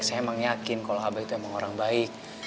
saya emang yakin kalau abah itu emang orang baik